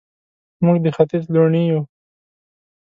موږ د ختیځ لوڼې یو